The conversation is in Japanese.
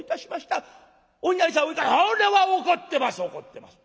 「これは怒ってます怒ってます。